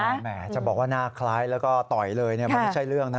แหมจะบอกว่าหน้าคล้ายแล้วก็ต่อยเลยมันไม่ใช่เรื่องนะ